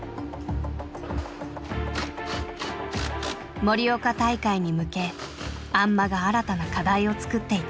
盛岡大会に向け安間が新たな課題を作っていた。